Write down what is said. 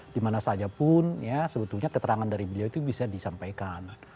dimana saja pun ya sebetulnya keterangan dari beliau itu bisa disampaikan